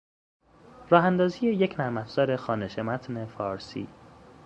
راهاندازی یک نرمافزار خوانش متن فارسی